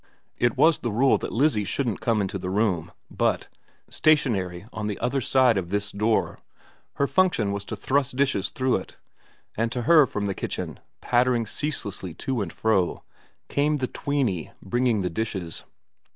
It was the rule that lizzie shouldn't come into the room, but, stationary on the other side of this door, her function was to thrust dishes through it ; and to her from the kitchen, pattering ceaselessly to and fro, came the tweeny bringing the dishes.